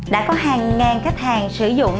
đã có hàng ngàn khách hàng sử dụng